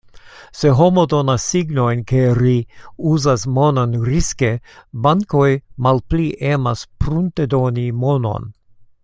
Se homo donas signojn, ke ri uzas monon riske, bankoj malpli emas pruntedoni monon.